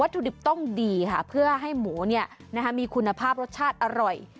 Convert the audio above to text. ถุดิบต้องดีค่ะเพื่อให้หมูมีคุณภาพรสชาติอร่อย